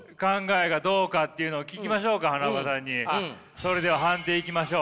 それでは判定いきましょう。